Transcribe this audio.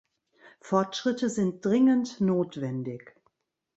Fortschritte sind dringend notwendig.